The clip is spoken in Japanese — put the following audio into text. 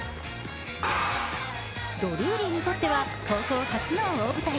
ドルーリーにとっては高校初の大舞台。